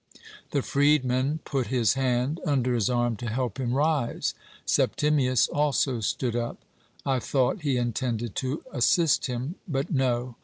The freedman put his hand under his arm to help him rise. Septimius also stood up. I thought he intended to assist him. But no!